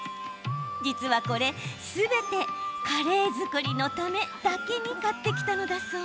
実は、これすべてカレー作りのためだけに買ってきたのだそう。